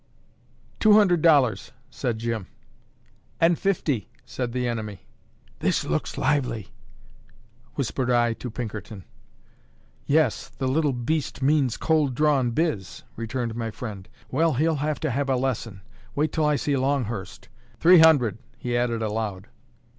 "Two hundred dollars," said Jim. "And fifty," said the enemy. "This looks lively," whispered I to Pinkerton. "Yes; the little beast means cold drawn biz," returned my friend. "Well, he'll have to have a lesson. Wait till I see Longhurst. Three hundred," he added aloud.